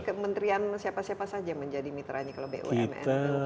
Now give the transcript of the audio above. kementerian siapa siapa saja menjadi mitranya kalau bumn